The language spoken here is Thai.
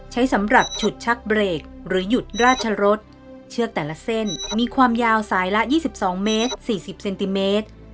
ใช้สำหรับฉุดชักเบรกหรือหยุดราชรสเชือกแต่ละเส้นมีความยาวสายละ๒๒เมตร๔๐เซนติเมตร